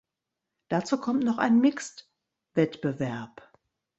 Dazu kommt noch ein Mixedwettbewerb.